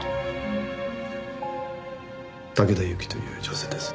竹田ユキという女性です。